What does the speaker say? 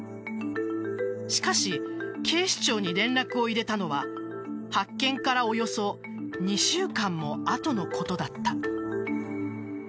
しかし警視庁に連絡を入れたのは発見からおよそ２週間も後のことだった。